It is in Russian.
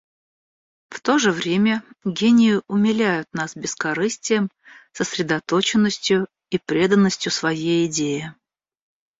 В то же время гении умиляют нас бескорыстием, сосредоточенностью и преданностью своей идее.